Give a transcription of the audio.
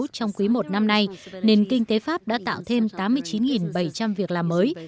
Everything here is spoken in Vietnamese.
trong quý i năm nay nền kinh tế pháp đã tạo thêm tám mươi chín bảy trăm linh việc làm mới